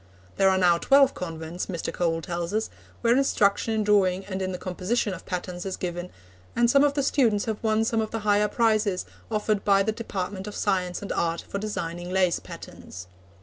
There are now twelve convents, Mr. Cole tells us, where instruction in drawing and in the composition of patterns is given, and some of the students have won some of the higher prizes offered by the Department of Science and Art for designing lace patterns.